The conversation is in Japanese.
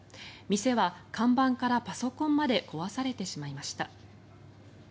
店は看板からパソコンまで壊されてしまいました。